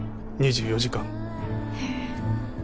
２４時間。へ。